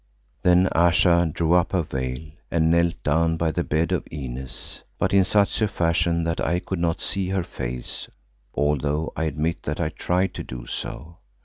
Then Ayesha drew up her veil, and knelt down by the bed of Inez, but in such a fashion that I could not see her face although I admit that I tried to do so.